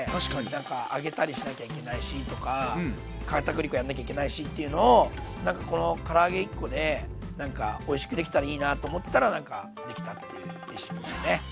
なんか揚げたりしなきゃいけないしとかかたくり粉やんなきゃいけないしっていうのをなんかこのから揚げ１個でおいしくできたらいいなと思ったらなんかできたっていうレシピだね。